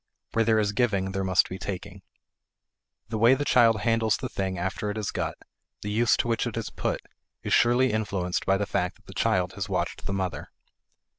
Where there is giving there must be taking. The way the child handles the thing after it is got, the use to which it is put, is surely influenced by the fact that the child has watched the mother.